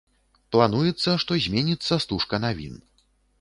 Плануецца, што зменіцца стужка навін.